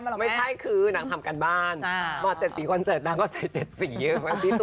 ไม่ใช่คือนางทำการบ้านมาเก้าเหลือเยอะเลยนะ